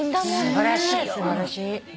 素晴らしいよ。